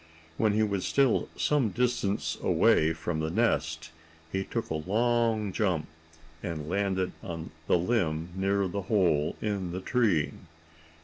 When he was still some distance away from the nest, he took a long jump, and landed on the limb near the hole in the tree.